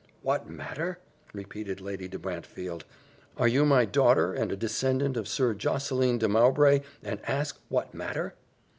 "What matter!" repeated Lady de Brantefield: "are you my daughter, and a descendant of Sir Josseline de Mowbray, and ask what matter?"